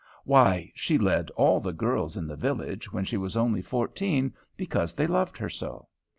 Why! she led all the girls in the village, when she was only fourteen, because they loved her so.